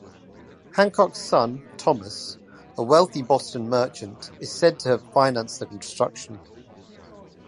Hancock's son, Thomas, a wealthy Boston merchant, is said to have financed the construction.